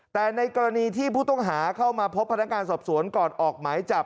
แต่ในกรณีที่ผู้ต้องหาเข้ามาพบพนักงานสอบสวนก่อนออกหมายจับ